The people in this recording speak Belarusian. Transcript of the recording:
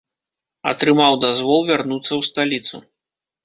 Атрымаў дазвол вярнуцца ў сталіцу.